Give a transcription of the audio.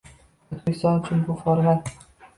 Oʻzbekiston uchun bu format